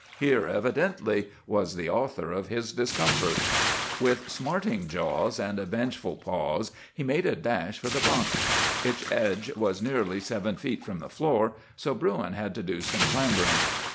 Here, evidently, was the author of his discomfort. "With smarting jaws and vengeful paws he made a dash for the bunk. Its edge was nearly seven feet from the floor, so Bruin had to do some clambering.